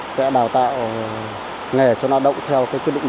sẽ đào tạo nghề cho đó đông theo quyết định một nghìn chín trăm năm mươi sáu